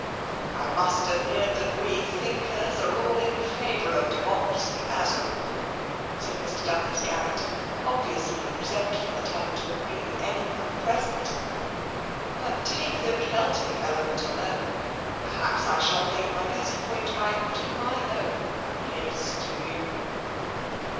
'*" I must admit that we thinkers are all in favour of democracy as a rule," said Mr. Douglas Garrett, obviously resentful at having to agree with anyone present; "but take the Keltic element alone — per haps I shall make my point best by putting my own case to you.